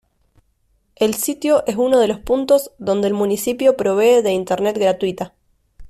El sitio es uno de los puntos donde el municipio provee de Internet gratuita.